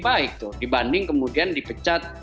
baik dibanding kemudian dipecat